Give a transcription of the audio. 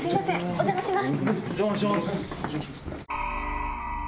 お邪魔します。